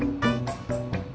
ya saya lagi konsentrasi